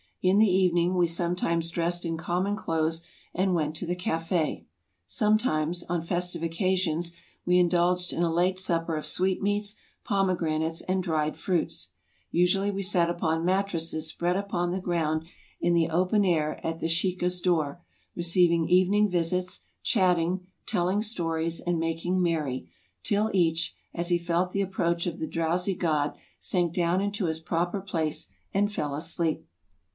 In the evening we sometimes dressed in common clothes and went to the cafe; sometimes, on festive occasions, we indulged in a late supper of sweetmeats, pomegranates, and dried fruits. Usually we sat upon mattresses spread upon the ground in 248 TRAVELERS AND EXPLORERS the open air at the Sheka's door, receiving evening visits, chatting, telling stories, and making merry, till each, as he felt the approach of the drowsy god, sank down into his proper place and fell asleep.